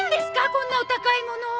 こんなお高いもの。